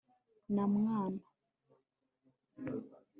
na mwana